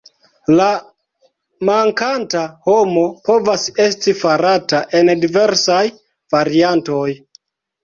La "mankanta homo" povas esti farata en diversaj variantoj.